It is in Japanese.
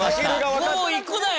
もういくなよ